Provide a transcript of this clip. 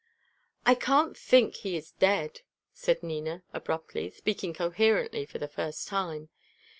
"I can't think he is dead," said Nina, abruptly, speaking coherently for the first time.